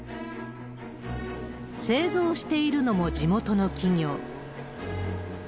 製造しているのも地元の企業。